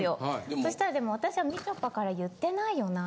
そしたらでも私はみちょぱから言ってないよなって。